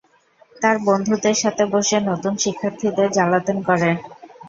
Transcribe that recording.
তার বন্ধুদের সাথে বসে নতুন শিক্ষার্থীদের জালাতন করে।